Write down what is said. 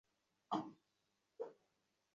তিনি তার শিক্ষক দ্বারকানাথ গাঙ্গুলীকে বিয়ে করেন।